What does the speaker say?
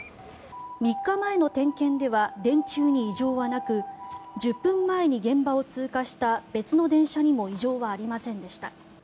３日前の点検では電柱に異常はなく１０分前に現場を通過した別の電車にも異常はありませんでした。